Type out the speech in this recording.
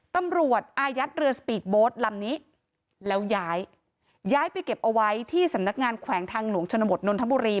อายัดเรือสปีดโบสต์ลำนี้แล้วย้ายย้ายไปเก็บเอาไว้ที่สำนักงานแขวงทางหลวงชนบทนนทบุรี